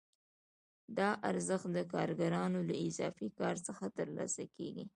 دا ارزښت د کارګرانو له اضافي کار څخه ترلاسه کېږي